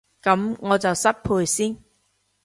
噉我就失陪先